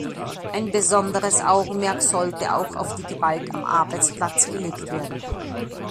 Ein besonderes Augenmerk sollte auch auf die Gewalt am Arbeitsplatz gelegt werden.